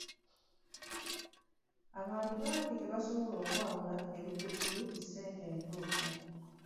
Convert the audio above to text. Abantu bangi tebasobola kwawula bikyupuli ku ssente entuufu.